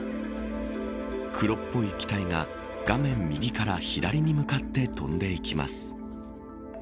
黒っぽい機体が画面右から左に向かって飛んでいきます。